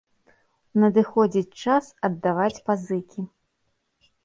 Надыходзіць час аддаваць пазыкі.